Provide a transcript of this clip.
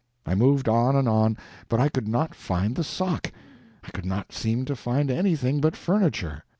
I moved on and on, but I could not find the sock; I could not seem to find anything but furniture.